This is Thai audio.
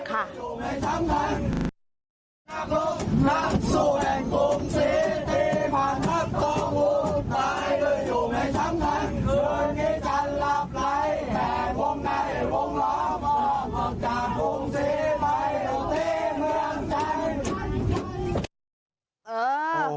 ความฮึกจากผมเสียไปแล้วเต้เมืองจันทร์